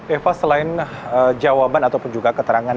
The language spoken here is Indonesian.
eva selain jawaban ataupun juga keterangan